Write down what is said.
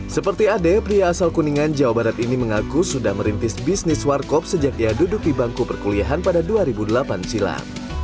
seperti ade pria asal kuningan jawa barat ini mengaku sudah merintis bisnis warkop sejak ia duduk di bangku perkuliahan pada dua ribu delapan silam